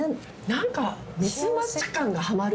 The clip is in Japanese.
なんかミスマッチ感がハマる。